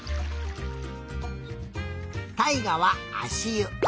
たいがはあしゆ。